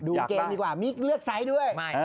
ดูเกมดีกว่ามีเลือกไซส์ด้วย